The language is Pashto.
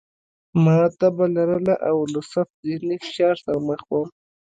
ما تبه لرله او له سخت ذهني فشار سره مخ وم